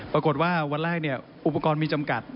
ปรากฏว่าวันแรกอุปกรณ์มีจำกัด